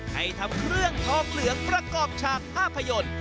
ให้ทำเครื่องทองเหลืองประกอบฉากภาพยนตร์